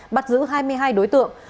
bắt giữ hai mươi hai đối tượng